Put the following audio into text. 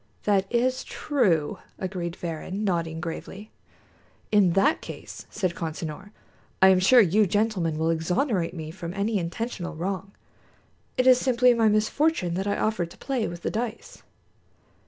"That is true," agreed Varrin, nodding gravely. "In that case," said Consinor, "I am sure you gentlemen will exonerate me from any intentional wrong. It is simply my misfortune that I offered to play with the dice."